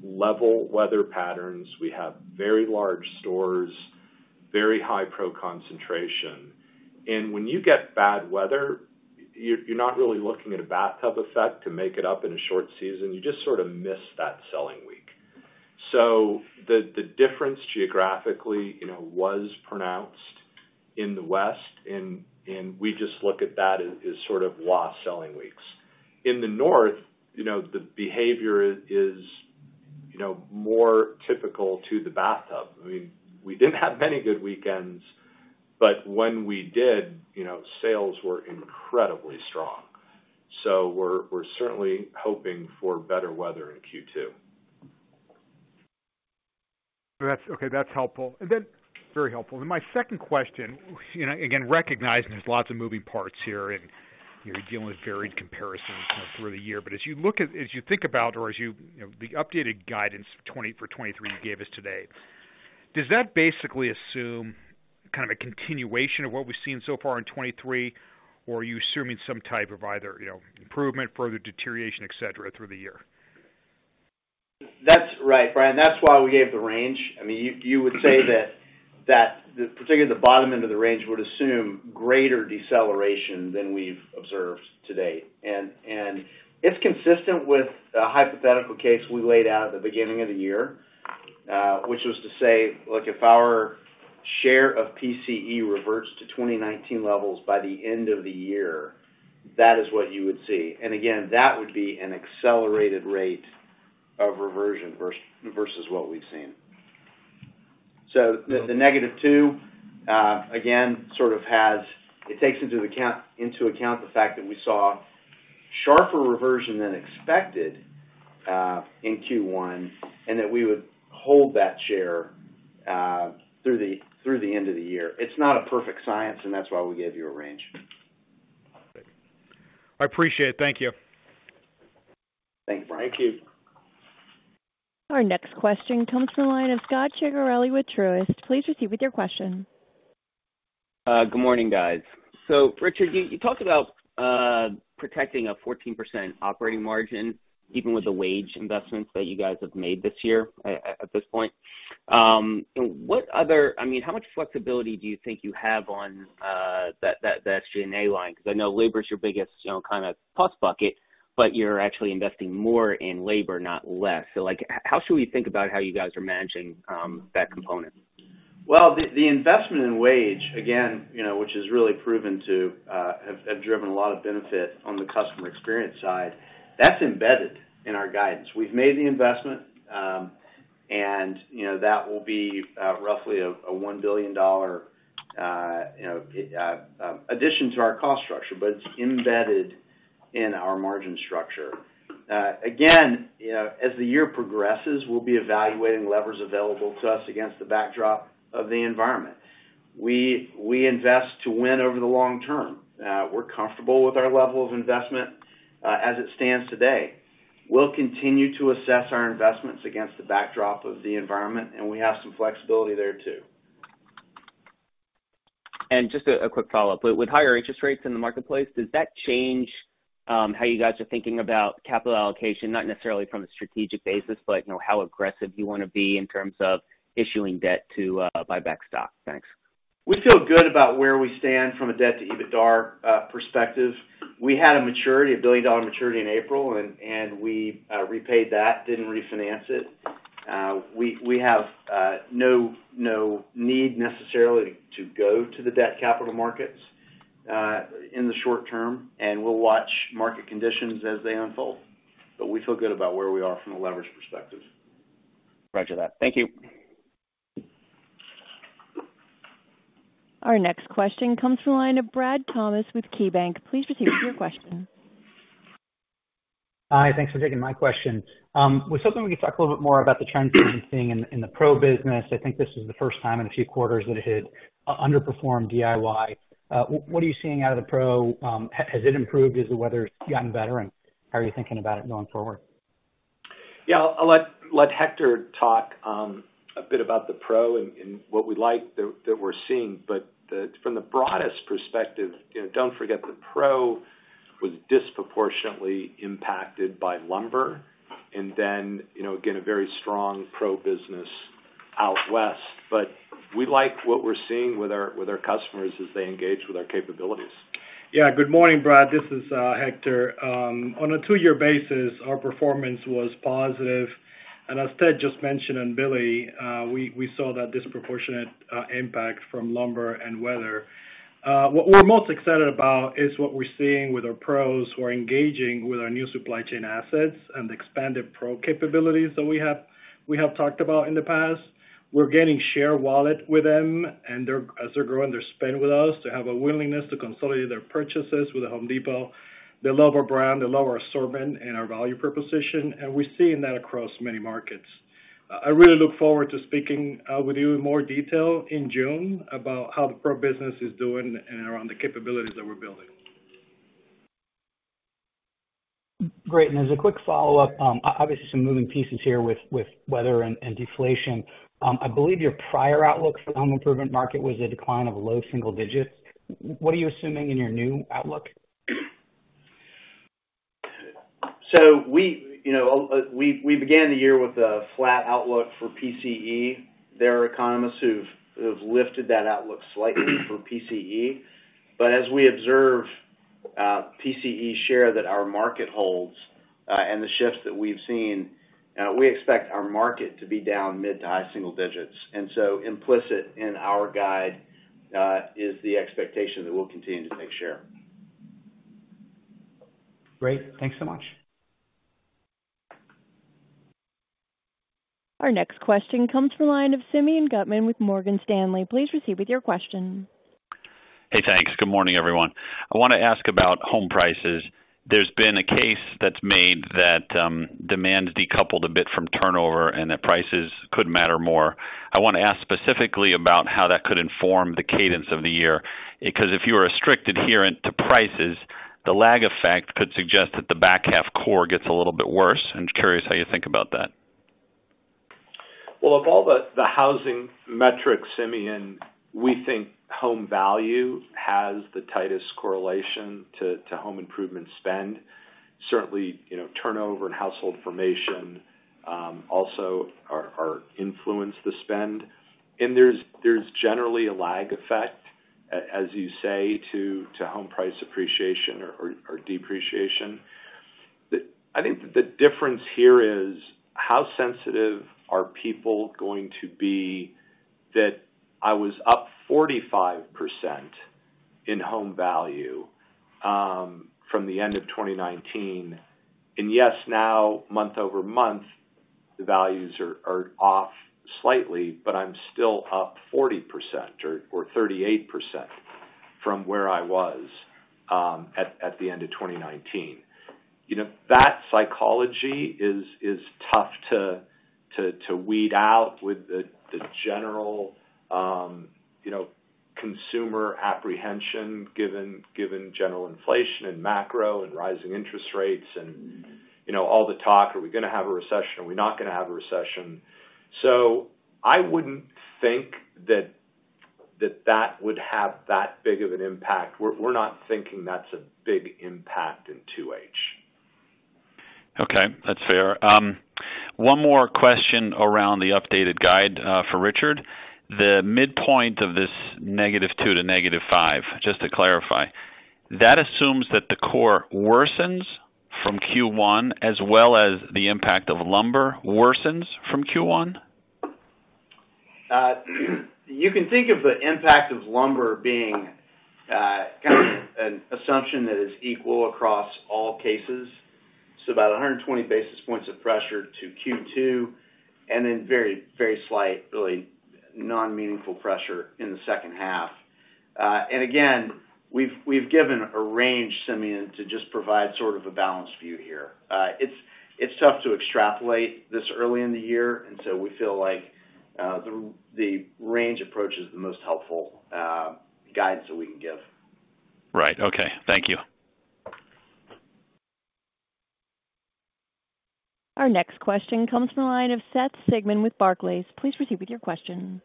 level weather patterns. We have very large stores, very high pro concentration. When you get bad weather, you're not really looking at a bathtub effect to make it up in a short season. You just sort of miss that selling week. The, the difference geographically, you know, was pronounced in the West, and we just look at that as sort of loss selling weeks. In the North, you know, the behavior is, you know, more typical to the bathtub. I mean, we didn't have many good weekends, but when we did, you know, sales were incredibly strong. We're, we're certainly hoping for better weather in Q2. That's Okay, that's helpful. Very helpful. My second question, you know, again, recognizing there's lots of moving parts here and, you know, dealing with varied comparisons, you know, through the year, as you think about or as you know, the updated guidance for 2023 you gave us today, does that basically assume kind of a continuation of what we've seen so far in 2023, or are you assuming some type of either, you know, improvement, further deterioration, et cetera, through the year? That's right, Brian. That's why we gave the range. I mean, you would say that the, particularly the bottom end of the range would assume greater deceleration than we've observed to date. It's consistent with the hypothetical case we laid out at the beginning of the year, which was to say, look, if our share of PCE reverts to 2019 levels by the end of the year, that is what you would see. Again, that would be an accelerated rate of reversion versus what we've seen. The -2%, again. It takes into account the fact that we saw sharper reversion than expected in Q1, and that we would hold that share through the end of the year. It's not a perfect science, and that's why we gave you a range. I appreciate it. Thank you. Thanks, Brian. Thank you. Our next question comes from the line of Scot Ciccarelli with Truist. Please proceed with your question. Good morning, guys. Richard, you talked about protecting a 14% operating margin even with the wage investments that you guys have made this year at this point. What other... I mean, how much flexibility do you think you have on that G&A line? I know labor is your biggest, you know, kind of cost bucket, but you're actually investing more in labor, not less. Like, how should we think about how you guys are managing that component? Well, the investment in wage, again, you know, which has really proven to have driven a lot of benefit on the customer experience side, that's embedded in our guidance. We've made the investment, and, you know, that will be roughly a $1 billion, you know, addition to our cost structure, but it's embedded in our margin structure. Again, you know, as the year progresses, we'll be evaluating levers available to us against the backdrop of the environment. We invest to win over the long term. We're comfortable with our level of investment as it stands today. We'll continue to assess our investments against the backdrop of the environment, and we have some flexibility there too. Just a quick follow-up. With higher interest rates in the marketplace, does that change how you guys are thinking about capital allocation, not necessarily from a strategic basis, but, you know, how aggressive you wanna be in terms of issuing debt to buy back stock? Thanks. We feel good about where we stand from a debt to EBITDAR perspective. We had a maturity, a $1 billion-dollar maturity in April, and we repaid that, didn't refinance it. We have no need necessarily to go to the debt capital markets in the short term. We'll watch market conditions as they unfold. We feel good about where we are from a leverage perspective. Roger that. Thank you. Our next question comes from the line of Bradley Thomas with KeyBank. Please proceed with your question. Hi, thanks for taking my question. Was hoping we could talk a little bit more about the trends that you're seeing in the pro business. I think this is the first time in a few quarters that it had underperformed DIY. What are you seeing out of the pro? Has it improved as the weather's gotten better, and how are you thinking about it going forward? Yeah, I'll let Hector talk a bit about the pro and what we like that we're seeing. From the broadest perspective, you know, don't forget that pro was disproportionately impacted by lumber and then, you know, again, a very strong pro business out west. We like what we're seeing with our customers as they engage with our capabilities. Good morning, Brad. This is Hector. On a two-year basis, our performance was positive. As Ted just mentioned, and Billy, we saw that disproportionate impact from lumber and weather. What we're most excited about is what we're seeing with our pros who are engaging with our new supply chain assets and expanded pro capabilities that we have talked about in the past. We're gaining share wallet with them, as they're growing their spend with us, they have a willingness to consolidate their purchases with The Home Depot. They love our brand, they love our assortment and our value proposition, and we're seeing that across many markets. I really look forward to speaking with you in more detail in June about how the pro business is doing and around the capabilities that we're building. Great. As a quick follow-up, obviously, some moving pieces here with weather and deflation. I believe your prior outlook for the home improvement market was a decline of low single digits. What are you assuming in your new outlook? We, you know, we began the year with a flat outlook for PCE. There are economists who've lifted that outlook slightly for PCE. As we observe. PCE share that our market holds, and the shifts that we've seen, we expect our market to be down mid to high single digits. Implicit in our guide, is the expectation that we'll continue to take share. Great. Thanks so much. Our next question comes from the line of Simeon Gutman with Morgan Stanley. Please proceed with your question. Hey, thanks. Good morning, everyone. I wanna ask about home prices. There's been a case that's made that demand decoupled a bit from turnover and that prices could matter more. I wanna ask specifically about how that could inform the cadence of the year. Because if you were a strict adherent to prices, the lag effect could suggest that the back half core gets a little bit worse. I'm curious how you think about that. Well, of all the housing metrics, Simeon, we think home value has the tightest correlation to home improvement spend. Certainly, you know, turnover and household formation also are influence the spend. There's generally a lag effect, as you say, to home price appreciation or depreciation. I think that the difference here is how sensitive are people going to be that I was up 45% in home value from the end of 2019. Yes, now month-over-month, the values are off slightly, but I'm still up 40% or 38% from where I was at the end of 2019. You know, that psychology is tough to weed out with the general, you know, consumer apprehension given general inflation and macro and rising interest rates and, you know, all the talk, are we gonna have a recession? Are we not gonna have a recession? I wouldn't think that that would have that big of an impact. We're not thinking that's a big impact in 2H. Okay, that's fair. One more question around the updated guide for Richard. The midpoint of this -2%--5%, just to clarify, that assumes that the core worsens from Q1 as well as the impact of lumber worsens from Q1? You can think of the impact of lumber being, kind of an assumption that is equal across all cases. About 120 basis points of pressure to Q2, and then very slight, really non-meaningful pressure in the second half. Again, we've given a range, Simeon, to just provide sort of a balanced view here. It's tough to extrapolate this early in the year, and so we feel like, the range approach is the most helpful guidance that we can give. Right. Okay. Thank you. Our next question comes from the line of Seth Sigman with Barclays. Please proceed with your question.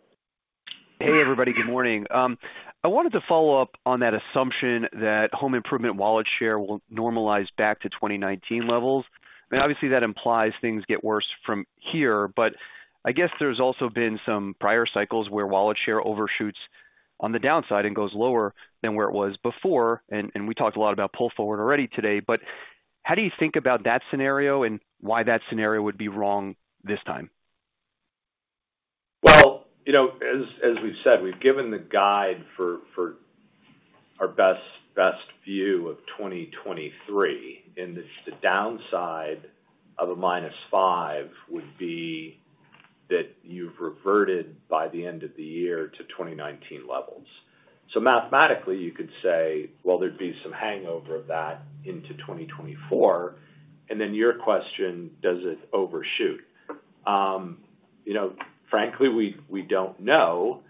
Hey, everybody. Good morning. I wanted to follow up on that assumption that home improvement wallet share will normalize back to 2019 levels. Obviously, that implies things get worse from here. I guess there's also been some prior cycles where wallet share overshoots on the downside and goes lower than where it was before. We talked a lot about pull forward already today, how do you think about that scenario and why that scenario would be wrong this time? Well, you know, as we've said, we've given the guide for our best view of 2023, and the downside of a -5 would be that you've reverted by the end of the year to 2019 levels. Mathematically, you could say, well, there'd be some hangover of that into 2024. Then your question, does it overshoot? You know, frankly, we don't know.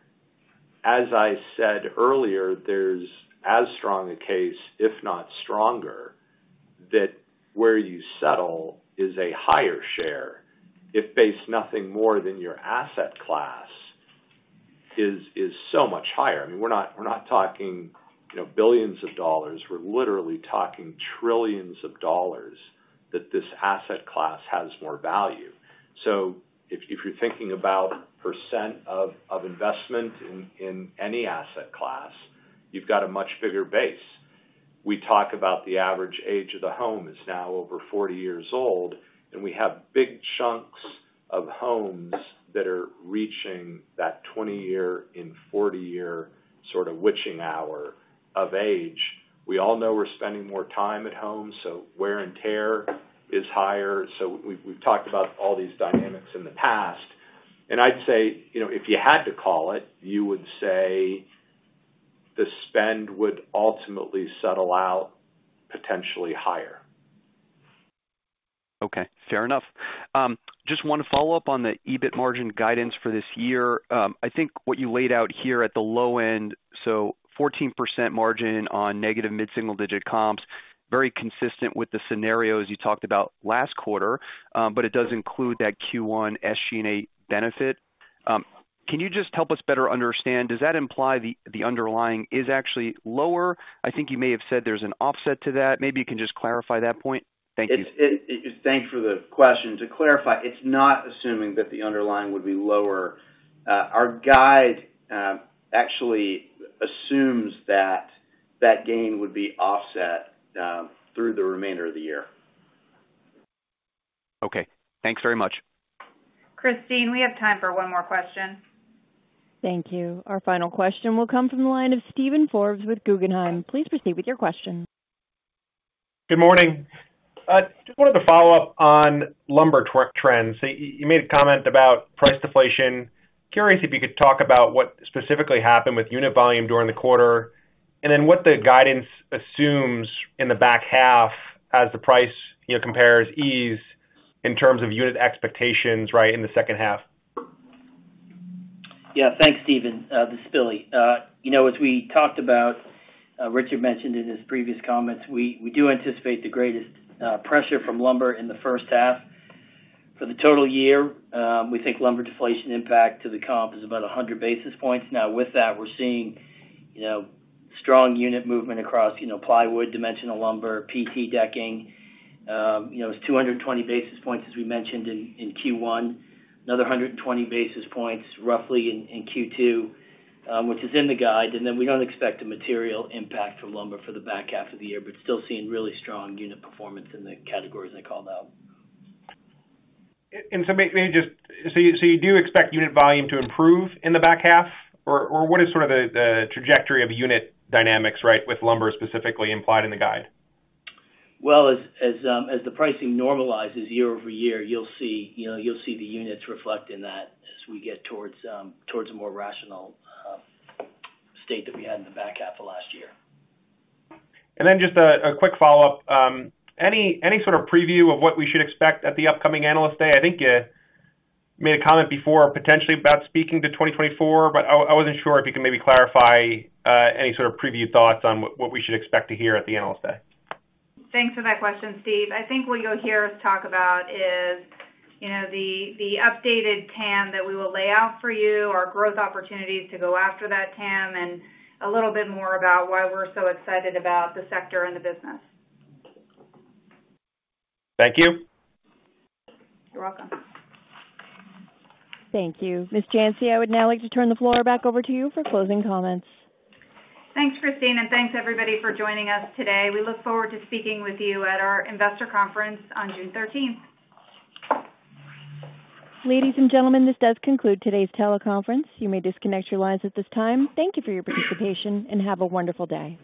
As I said earlier, there's as strong a case, if not stronger, that where you settle is a higher share if base nothing more than your asset class is so much higher. I mean, we're not talking, you know, billions of dollars. We're literally talking trillions of dollars that this asset class has more value. If you're thinking about % of investment in any asset class, you've got a much bigger base. We talk about the average age of the home is now over 40 years old, and we have big chunks of homes that are reaching that 20-year and 40-year sort of witching hour of age. We all know we're spending more time at home, so wear and tear is higher. We've talked about all these dynamics in the past. I'd say, you know, if you had to call it, you would say the spend would ultimately settle out potentially higher. Okay, fair enough. Just 1 follow-up on the EBIT margin guidance for this year. I think what you laid out here at the low end, so 14% margin on negative mid-single-digit comps, very consistent with the scenarios you talked about last quarter. It does include that Q1 SG&A benefit. Can you just help us better understand, does that imply the underlying is actually lower? I think you may have said there's an offset to that. Maybe you can just clarify that point. Thank you. It's Thanks for the question. To clarify, it's not assuming that the underlying would be lower. Our guide actually assumes that that gain would be offset through the remainder of the year. Okay. Thanks very much. Christine, we have time for one more question. Thank you. Our final question will come from the line of Steven Forbes with Guggenheim. Please proceed with your question. Good morning. just wanted to follow up on lumber trends. You made a comment about price deflation. Curious if you could talk about what specifically happened with unit volume during the quarter, and then what the guidance assumes in the back half as the price, you know, compares ease in terms of unit expectations, right, in the second half? Yeah. Thanks, Steven. This is Billy. You know, as we talked about, Richard mentioned in his previous comments, we do anticipate the greatest pressure from lumber in the first half. For the total year, we think lumber deflation impact to the comp is about 100 basis points. Now with that, we're seeing, you know, strong unit movement across, you know, plywood, dimensional lumber, PT decking. You know, it's 220 basis points, as we mentioned in Q1, another 120 basis points roughly in Q2, which is in the guide. We don't expect a material impact from lumber for the back half of the year, but still seeing really strong unit performance in the categories I called out. May I just... you do expect unit volume to improve in the back half or what is sort of the trajectory of unit dynamics, right, with lumber specifically implied in the guide? As the pricing normalizes year-over-year, you'll see, you know, you'll see the units reflect in that as we get towards a more rational state that we had in the back half of last year. Just a quick follow-up. Any sort of preview of what we should expect at the upcoming Analyst Day? I think you made a comment before potentially about speaking to 2024, but I wasn't sure if you could maybe clarify any sort of preview thoughts on what we should expect to hear at the Analyst Day. Thanks for that question, Steve. I think what you'll hear us talk about is, you know, the updated TAM that we will lay out for you, our growth opportunities to go after that TAM, and a little bit more about why we're so excited about the sector and the business. Thank you. You're welcome. Thank you. Ms. Janci, I would now like to turn the floor back over to you for closing comments. Thanks, Christine, and thanks everybody for joining us today. We look forward to speaking with you at our investor conference on June thirteenth. Ladies and gentlemen, this does conclude today's teleconference. You may disconnect your lines at this time. Thank you for your participation, have a wonderful day.